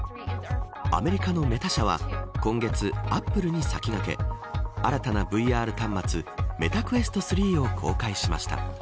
アメリカのメタ社は、今月アップルに先駆け新たなＶＲ端末ＭｅｔａＱｕｅｓｔ３を公開しました。